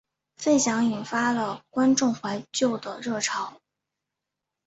费翔引发了观众怀旧热潮。